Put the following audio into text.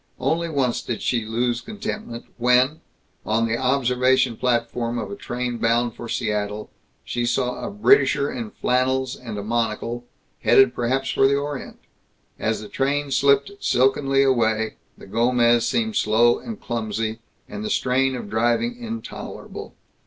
Only once did she lose contentment when, on the observation platform of a train bound for Seattle, she saw a Britisher in flannels and a monocle, headed perhaps for the Orient. As the train slipped silkenly away, the Gomez seemed slow and clumsy, and the strain of driving intolerable.